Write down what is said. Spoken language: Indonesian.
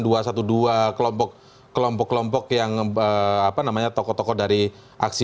ini yang hanya terkait dengan dua ratus dua belas kelompok kelompok yang apa namanya tokoh tokoh dari aksi dua ratus dua belas empat ratus sebelas